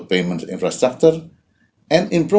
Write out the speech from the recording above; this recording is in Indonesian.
dan memperbaiki praktek pasar